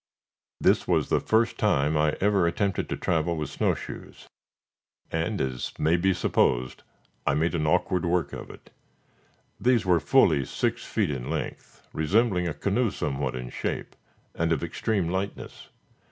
This was the first time I ever attempted to travel with snow shoes, and, as may be supposed, I made awkward work of it. These were fully six feet in length, resembling a canoe somewhat in shape, and of extreme lightness.